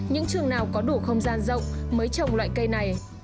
những trường nào có đủ không gian rộng mới trồng loại cây này